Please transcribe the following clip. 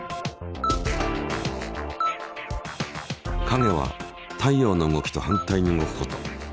影は太陽の動きと反対に動くこと。